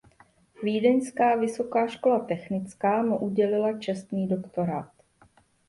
Vídeňská vysoká škola technická mu udělila čestný doktorát.